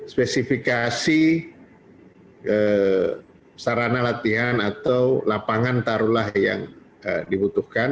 spesifikasi sarana latihan atau lapangan taruhlah yang dibutuhkan